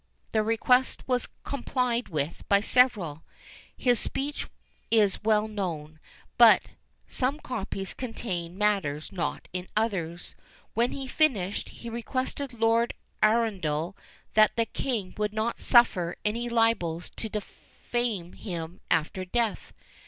The request was complied with by several. His speech is well known; but some copies contain matters not in others. When he finished, he requested Lord Arundel that the king would not suffer any libels to defame him after death.